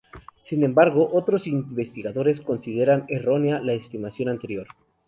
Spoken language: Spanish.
Sin embargo, otros investigadores consideran errónea la estimación anterior.